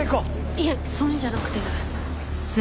いえそういうのじゃなくて。